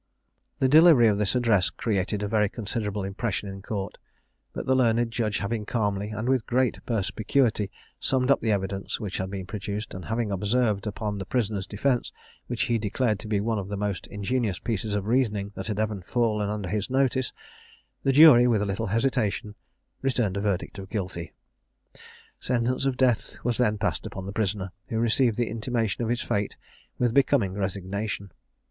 The delivery of this address created a very considerable impression in court; but the learned judge having calmly and with great perspicuity summed up the evidence which had been produced, and having observed upon the prisoner's defence, which he declared to be one of the most ingenious pieces of reasoning that had ever fallen under his notice, the jury, with little hesitation, returned a verdict of Guilty. Sentence of death was then passed upon the prisoner, who received the intimation of his fate with becoming resignation.